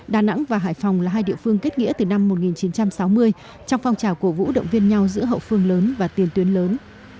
đà nẵng và hải phòng là hai địa phương kết nghĩa từ năm một nghìn chín trăm sáu mươi trong phong trào cổ vũ động viên nhau giữa hậu phương lớn và tiền tuyến lớn